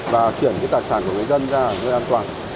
và chuyển tài sản của người dân ra nơi an toàn